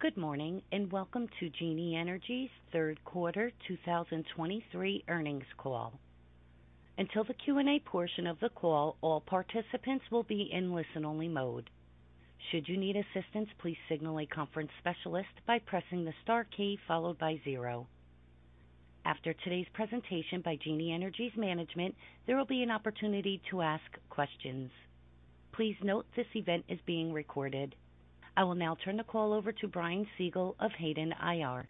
Good morning, and welcome to Genie Energy's third quarter 2023 earnings call. Until the Q&A portion of the call, all participants will be in listen-only mode. Should you need assistance, please signal a conference specialist by pressing the star key followed by zero. After today's presentation by Genie Energy's management, there will be an opportunity to ask questions. Please note, this event is being recorded. I will now turn the call over to Brian Siegel of Hayden IR.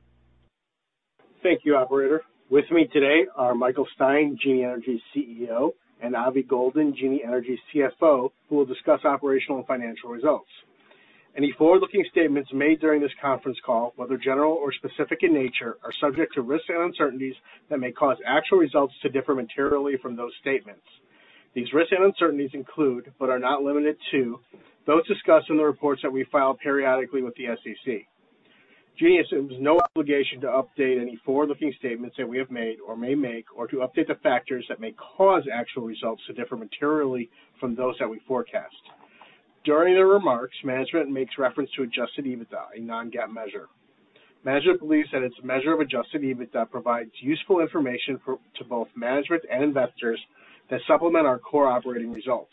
Thank you, operator. With me today are Michael Stein, Genie Energy's Chief Executive Officer, and Avi Goldin, Genie Energy's Chief Financial Officer, who will discuss operational and financial results. Any forward-looking statements made during this conference call, whether general or specific in nature, are subject to risks and uncertainties that may cause actual results to differ materially from those statements. These risks and uncertainties include, but are not limited to, those discussed in the reports that we file periodically with the SEC. Genie assumes no obligation to update any forward-looking statements that we have made or may make, or to update the factors that may cause actual results to differ materially from those that we forecast. During the remarks, management makes reference to Adjusted EBITDA, a non-GAAP measure. Management believes that its measure of Adjusted EBITDA provides useful information to both management and investors that supplement our core operating results.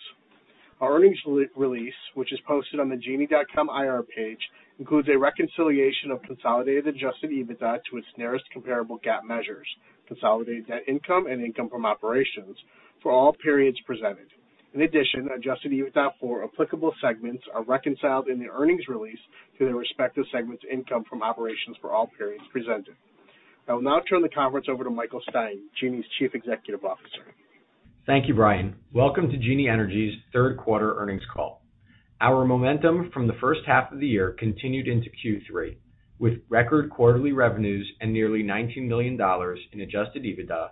Our earnings release, which is posted on the genie.com IR page, includes a reconciliation of consolidated Adjusted EBITDA to its nearest comparable GAAP measures, consolidated net income and income from operations for all periods presented. In addition, Adjusted EBITDA for applicable segments are reconciled in the earnings release to their respective segments income from operations for all periods presented. I will now turn the conference over to Michael Stein, Genie's Chief Executive Officer. Thank you, Brian. Welcome to Genie Energy's third quarter earnings call. Our momentum from the first half of the year continued into Q3, with record quarterly revenues and nearly $19 million in Adjusted EBITDA,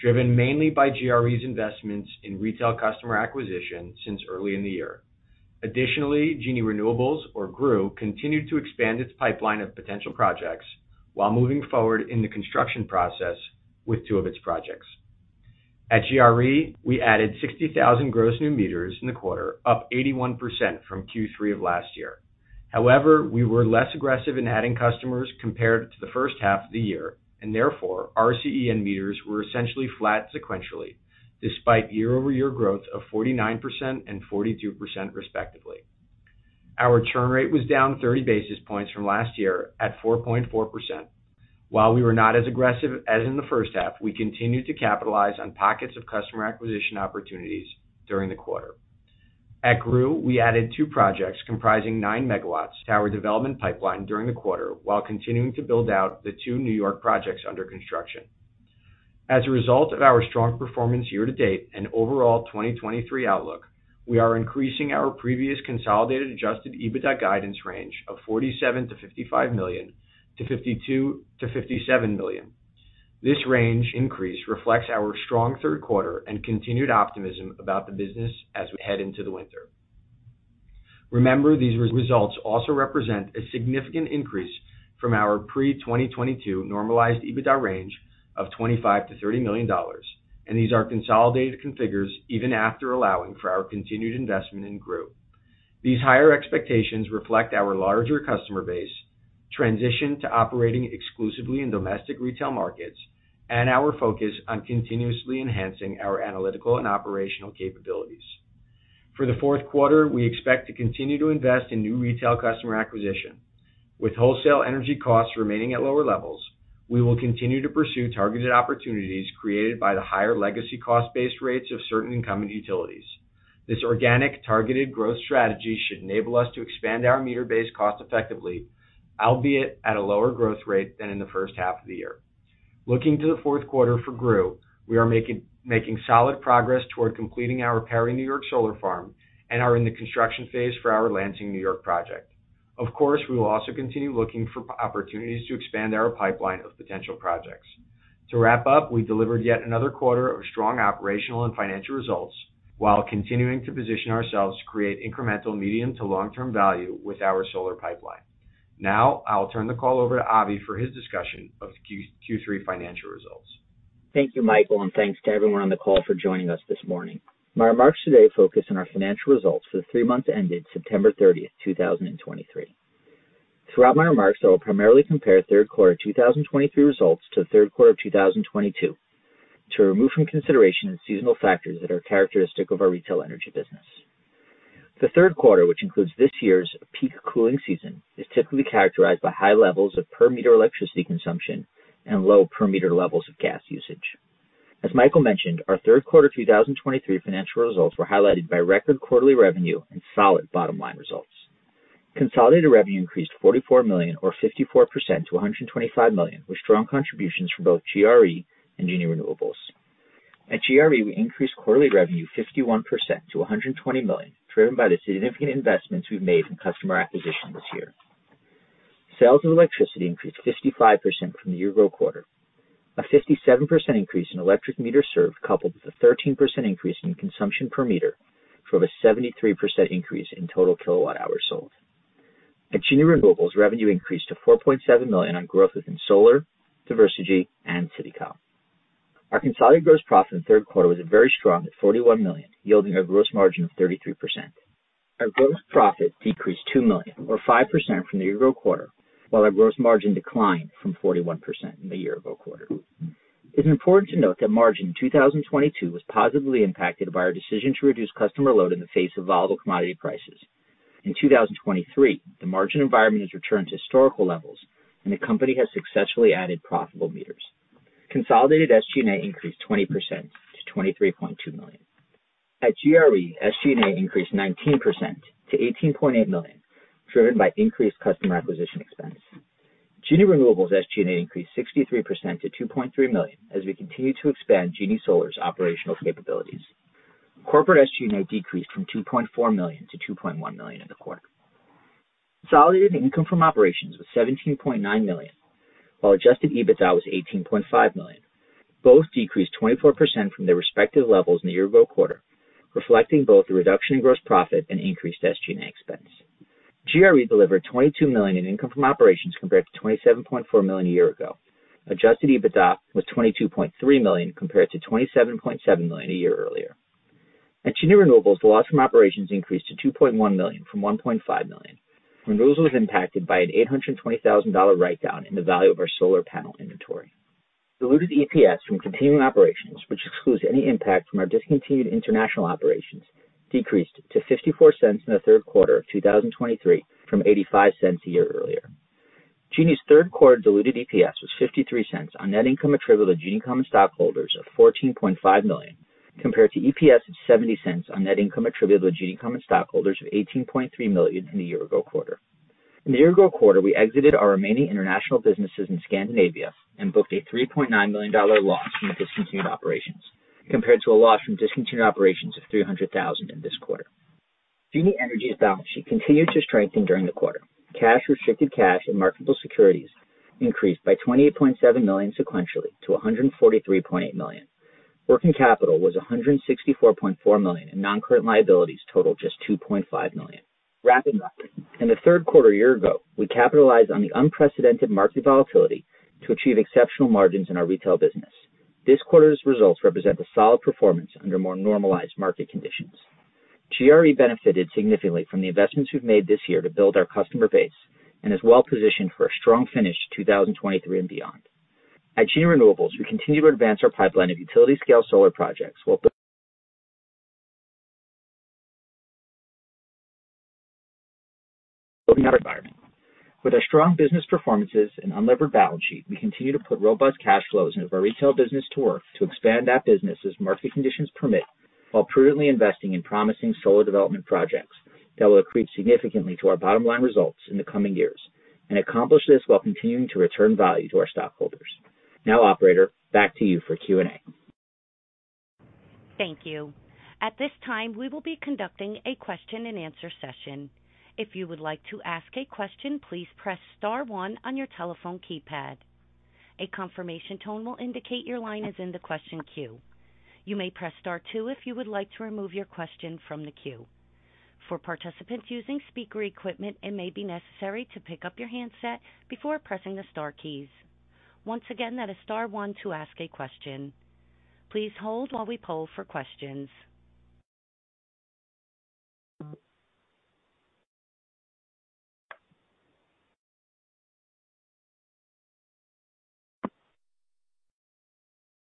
driven mainly by GRE's investments in retail customer acquisition since early in the year. Additionally, Genie Renewables, or GREW, continued to expand its pipeline of potential projects while moving forward in the construction process with two of its projects. At GRE, we added 60,000 gross new meters in the quarter, up 81% from Q3 of last year. However, we were less aggressive in adding customers compared to the first half of the year, and therefore, our net meters were essentially flat sequentially, despite year-over-year growth of 49% and 42%, respectively. Our churn rate was down 30 basis points from last year at 4.4%. While we were not as aggressive as in the first half, we continued to capitalize on pockets of customer acquisition opportunities during the quarter. At GREW, we added two projects comprising 9 MW to our development pipeline during the quarter, while continuing to build out the two New York projects under construction. As a result of our strong performance year-to-date and overall 2023 outlook, we are increasing our previous consolidated Adjusted EBITDA guidance range of $47 million-$55 million to $52 million-$57 million. This range increase reflects our strong third quarter and continued optimism about the business as we head into the winter. Remember, these results also represent a significant increase from our pre-2022 normalized EBITDA range of $25 million-$30 million, and these are consolidated figures even after allowing for our continued investment in GREW. These higher expectations reflect our larger customer base, transition to operating exclusively in domestic retail markets, and our focus on continuously enhancing our analytical and operational capabilities. For the fourth quarter, we expect to continue to invest in new retail customer acquisition. With wholesale energy costs remaining at lower levels, we will continue to pursue targeted opportunities created by the higher legacy cost-based rates of certain incumbent utilities. This organic targeted growth strategy should enable us to expand our meter base cost effectively, albeit at a lower growth rate than in the first half of the year. Looking to the fourth quarter for GRE, we are making solid progress toward completing our Perry, New York, solar farm and are in the construction phase for our Lansing, New York, project. Of course, we will also continue looking for opportunities to expand our pipeline of potential projects. To wrap up, we delivered yet another quarter of strong operational and financial results while continuing to position ourselves to create incremental medium to long-term value with our solar pipeline. Now, I'll turn the call over to Avi for his discussion of Q3 financial results. Thank you, Michael, and thanks to everyone on the call for joining us this morning. My remarks today focus on our financial results for the three months ended September 30, 2023. Throughout my remarks, I will primarily compare third quarter 2023 results to the third quarter of 2022 to remove from consideration the seasonal factors that are characteristic of our retail energy business. The third quarter, which includes this year's peak cooling season, is typically characterized by high levels of per-meter electricity consumption and low per-meter levels of gas usage. As Michael mentioned, our third quarter 2023 financial results were highlighted by record quarterly revenue and solid bottom-line results. Consolidated revenue increased $44 million, or 54% to $125 million, with strong contributions from both GRE and Genie Renewables. At GRE, we increased quarterly revenue 51% to $120 million, driven by the significant investments we've made in customer acquisition this year. Sales of electricity increased 55% from the year-ago quarter. A 57% increase in electric meters served, coupled with a 13% increase in consumption per meter, drove a 73% increase in total kilowatt-hours sold. At Genie Renewables, revenue increased to $4.7 million on growth within Solar, Diversegy, and CityCom.... Our consolidated gross profit in the third quarter was very strong at $41 million, yielding a gross margin of 33%. Our gross profit decreased $2 million, or 5% from the year-ago quarter, while our gross margin declined from 41% in the year-ago quarter. It's important to note that margin in 2022 was positively impacted by our decision to reduce customer load in the face of volatile commodity prices. In 2023, the margin environment has returned to historical levels, and the company has successfully added profitable meters. Consolidated SG&A increased 20% to $23.2 million. At GRE, SG&A increased 19% to $18.8 million, driven by increased customer acquisition expense. Genie Renewables' SG&A increased 63% to $2.3 million as we continue to expand Genie Solar's operational capabilities. Corporate SG&A decreased from $2.4 million to $2.1 million in the quarter. Consolidated income from operations was $17.9 million, while adjusted EBITDA was $18.5 million. Both decreased 24% from their respective levels in the year-ago quarter, reflecting both the reduction in gross profit and increased SG&A expense. GRE delivered $22 million in income from operations compared to $27.4 million a year ago. Adjusted EBITDA was $22.3 million compared to $27.7 million a year earlier. At Genie Renewables, the loss from operations increased to $2.1 million from $1.5 million, and those was impacted by an $820,000 write-down in the value of our solar panel inventory. Diluted EPS from continuing operations, which excludes any impact from our discontinued international operations, decreased to $0.54 in the third quarter of 2023 from $0.85 a year earlier. Genie's third quarter diluted EPS was $0.53 on net income attributable to Genie common stockholders of $14.5 million, compared to EPS of $0.70 on net income attributable to Genie common stockholders of $18.3 million in the year-ago quarter. In the year-ago quarter, we exited our remaining international businesses in Scandinavia and booked a $3.9 million loss from the discontinued operations, compared to a loss from discontinued operations of $300,000 in this quarter. Genie Energy's balance sheet continued to strengthen during the quarter. Cash, restricted cash, and marketable securities increased by $28.7 million sequentially to $143.8 million. Working capital was $164.4 million, and noncurrent liabilities totaled just $2.5 million. Rapidly, in the third quarter a year ago, we capitalized on the unprecedented market volatility to achieve exceptional margins in our retail business. This quarter's results represent a solid performance under more normalized market conditions. GRE benefited significantly from the investments we've made this year to build our customer base and is well positioned for a strong finish in 2023 and beyond. At Genie Renewables, we continue to advance our pipeline of utility-scale solar projects while building our environment. With our strong business performances and unlevered balance sheet, we continue to put robust cash flows into our retail business to work, to expand that business as market conditions permit, while prudently investing in promising solar development projects that will accrete significantly to our bottom line results in the coming years, and accomplish this while continuing to return value to our stockholders. Now, operator, back to you for Q&A. Thank you. At this time, we will be conducting a question-and-answer session. If you would like to ask a question, please press star one on your telephone keypad. A confirmation tone will indicate your line is in the question queue. You may press star two if you would like to remove your question from the queue. For participants using speaker equipment, it may be necessary to pick up your handset before pressing the star keys. Once again, that is star one to ask a question. Please hold while we poll for questions.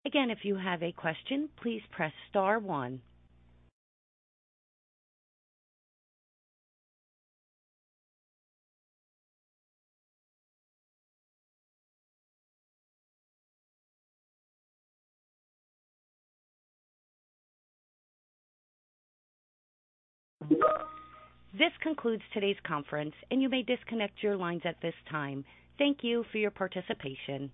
Again, if you have a question, please press star one. This concludes today's conference, and you may disconnect your lines at this time. Thank you for your participation.